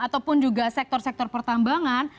ataupun juga sektor sektor pertambangan